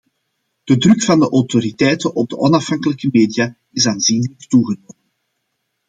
De druk van de autoriteiten op de onafhankelijke media is aanzienlijk toegenomen.